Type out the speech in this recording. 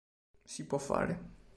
Si può fare